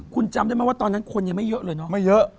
คุณจำได้ไหมว่าตอนนั้นคนยังไม่เยอะเลยเนาะไม่เยอะ